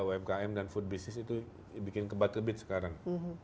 umkm dan food business itu bikin kebat kebit sekarang